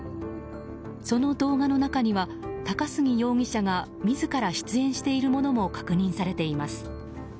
その動画の中には、高杉容疑者が自ら出演しているものも確認されています。